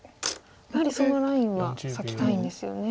やはりそのラインは裂きたいんですよね。